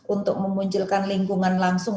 untuk memunculkan lingkungan langsung